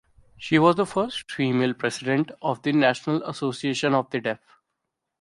She was the first female president of the National Association of the Deaf.